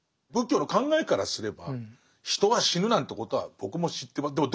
仏教の考えからすれば人が死ぬなんてことは僕も知ってます。